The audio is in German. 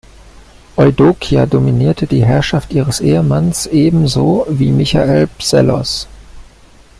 Eudokia dominierte die Herrschaft ihres Ehemanns ebenso wie Michael Psellos.